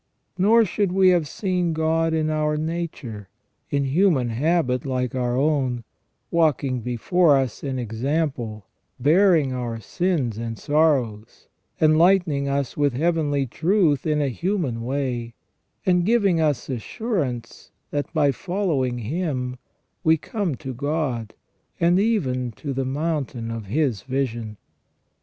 Nor should we have seen God in our nature, in human habit like our own, walking before us in example, bearing our sins and sorrows, enlightening us with heavenly truth in a human way, and giving us assurance that by following Him we come to God, and even to the mountain of His vision.